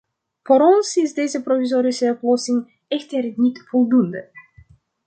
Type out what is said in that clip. Voor ons is deze provisorische oplossing echter niet voldoende.